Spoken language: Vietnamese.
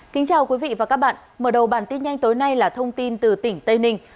kính chào quý vị và các bạn mở đầu bản tin nhanh tối nay là thông tin từ tỉnh tây ninh